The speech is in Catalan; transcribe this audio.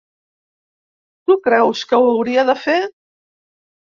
Tu creus que ho hauria de fer?